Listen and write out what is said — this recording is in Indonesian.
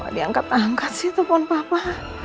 kok ada yang angkat angkat sih telepon papa